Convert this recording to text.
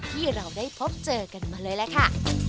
ที่เราได้พบเจอกันมาเลยล่ะค่ะ